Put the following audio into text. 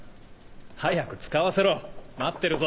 早く使わせろ待ってるぞ。